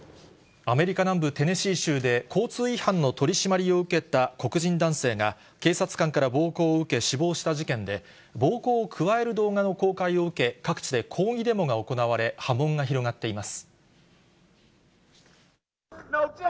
アメリカ南部テネシー州で、交通違反の取締りを受けた黒人男性が、警察官から暴行を受け死亡した事件で、暴行を加える動画の公開を受け、各地で抗議デモが行われ、波紋が広がっています。